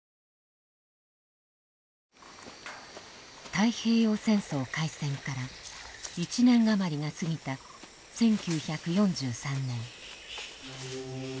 太平洋戦争開戦から１年余りが過ぎた１９４３年。